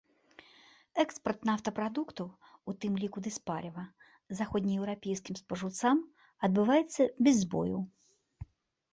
Экспарт нафтапрадуктаў, у тым ліку дызпаліва, заходнееўрапейскім спажыўцам адбываецца без збояў.